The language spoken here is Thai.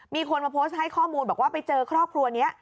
มีคนมาโพสต์ให้ข้อมูลบอกว่าไปเจอครอบครัวนี้